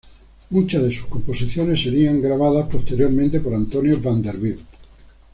Muchas de sus composiciones serían grabadas posteriormente por Antonio Vanderbilt.